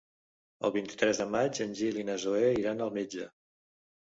El vint-i-tres de maig en Gil i na Zoè iran al metge.